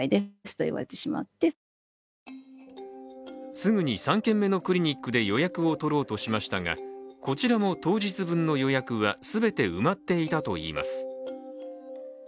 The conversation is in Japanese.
すぐに３件目のクリニックで予約を取ろうとしましたがこちらも当日分の予約はすべて埋まっていたといいます。